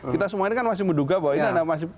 kita semua ini kan masih menduga bahwa ini